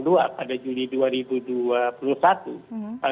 jadi kalau bisa